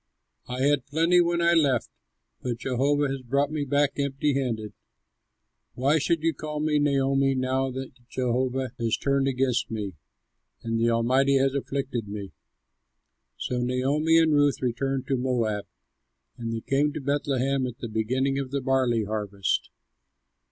I had plenty when I left, but Jehovah has brought me back empty handed. Why should you call me Naomi, now that Jehovah has turned against me, and the Almighty has afflicted me?" So Naomi and Ruth returned from Moab; and they came to Bethlehem at the beginning of the barley harvest.